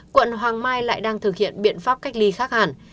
quận hoàng mai lại đang thực hiện biện pháp cách ly khác hẳn